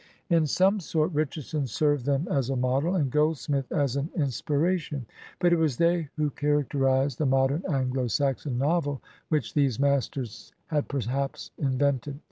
In some sort Richardson served them as a model, and Gold smith as an inspiration, but it was they who character ized the modem Anglo Saxon novel which these masters had perhaps invented.